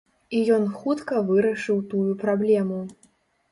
І ён хутка вырашыў тую праблему.